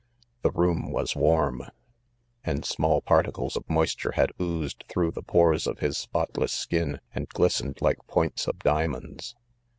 The loom was 'warm ; and small particles of mois ture had oozed through the pores of his spotless skin/ and glistened like points of diamonds.